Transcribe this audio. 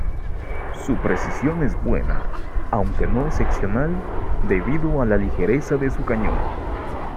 Su precisión es buena, aunque no excepcional, debido a la ligereza de su cañón.